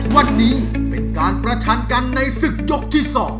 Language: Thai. วันนี้เป็นการประชันกันในศึกยกที่๒